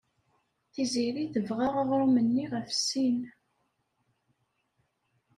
Tiziri tebɣa aɣrum-nni ɣef sin.